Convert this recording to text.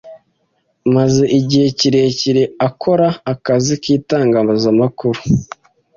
amaze igihe kirekire akora akazi k’itangazamakuru